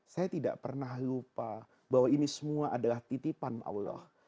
saya tidak pernah lupa bahwa ini semua adalah titipan allah